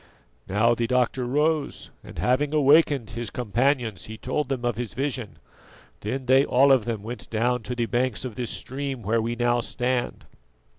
"Now the doctor rose, and having awakened his companions, he told them of his vision. Then they all of them went down to the banks of this stream where we now stand.